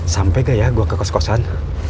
sampai ke ya gue ke kos kosan